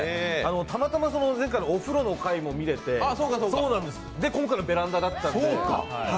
たまたま前回のお風呂の回も見れて今回のベランダだったので。